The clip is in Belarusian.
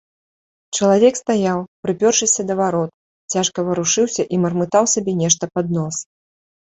Чалавек стаяў, прыпёршыся да варот, цяжка варушыўся і мармытаў сабе нешта пад нос.